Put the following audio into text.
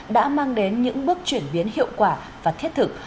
đã mang đến những bước chuyển biến hiệu quả và thiết thực